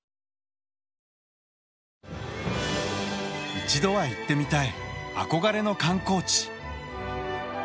一度は行ってみたい憧れの観光地。